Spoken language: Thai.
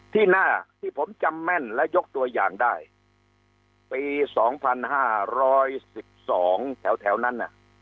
ที่หน้าที่ผมจำแม่นและยกตัวอย่างได้ปี๒๕๑๒แถวนั้น